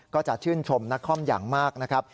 ก็จะชื่นชมนักคอมอย่างมากนะครับ